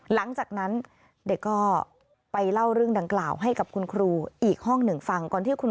หลังจากนั้นเด็กก็ไปเล่าเรื่องดังกล่าวให้กับคุณครูอีกห้องหนึ่งฟังก่อนที่คุณ